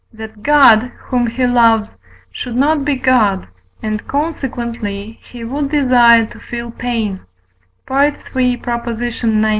that God, whom he loves, should not be God, and consequently he would desire to feel pain (III. xix.)